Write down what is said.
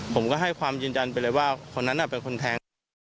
ผมก็ให้ความยืนยันไปเลยว่าคนนั้นเป็นคนแทง